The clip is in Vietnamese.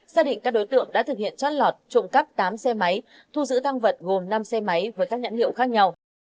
xác định các đối tượng đã thực hiện trót lọt trộm cắp tám xe máy thu giữ tăng vật gồm năm xe máy với các nhãn hiệu khác nhau